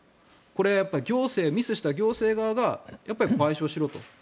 これはやっぱりミスした行政側が賠償しろと。